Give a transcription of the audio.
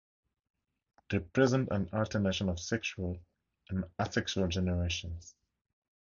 They present an alternation of sexual and asexual generations.